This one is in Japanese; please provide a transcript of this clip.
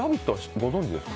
ご存じですか？